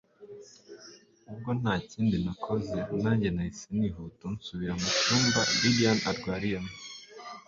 ubwo ntakindi nakoze, nanjye nahise nihutu nsubira mucyumba lilian arwariyemo